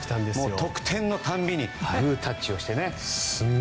得点のたびにグータッチをしてね。